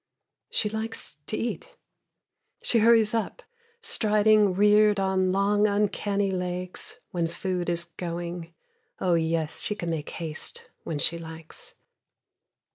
She likes to eat. She hurries up, striding reared on long uncanny legs, When food is going. Oh yes, she can make haste when she likes.